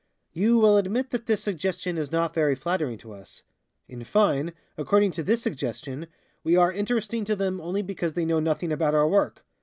You will admit that this suggestion is not very flattering to us. In fine, according to this suggestion, we are interesting to them only because they know nothing about our work.